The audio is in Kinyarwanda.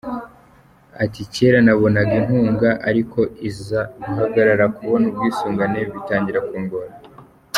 Ati “ Kera nabonaga inkunga ariko iza guhagarara kubona ubwisungane bitangira kungora.